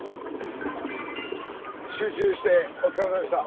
集中してお疲れさまでした。